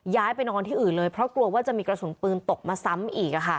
ไปนอนที่อื่นเลยเพราะกลัวว่าจะมีกระสุนปืนตกมาซ้ำอีก